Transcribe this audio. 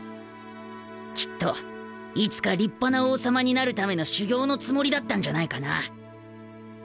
［きっといつか立派な王様になるための修行のつもりだったんじゃないかな］